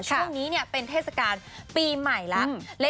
ช่วงนี้เนี่ยเป็นเทศกาลปีใหม่ละ